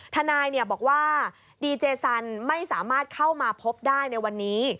ทนายบอกว่าดีเจสันไม่สามารถเข้ามาพบได้ในวันนี้